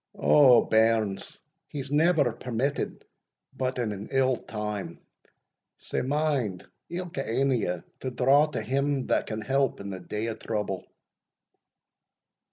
O, bairns, he's never permitted but in an ill time, sae mind ilka ane o' ye to draw to Him that can help in the day of trouble."